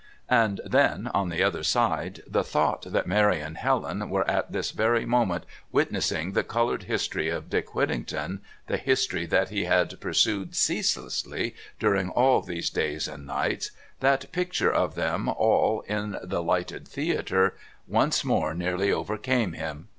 And then, on the other side, the thought that Mary and Helen were at this very moment witnessing the coloured history of Dick Whittinglon, the history that he had pursued ceaselessly during all these days and nights that picture of them all in the lighted theatre once more nearly overcame him.